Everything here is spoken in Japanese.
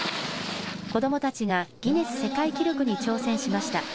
子どもたちがギネス世界記録に挑戦しました。